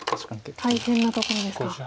大変なところですか。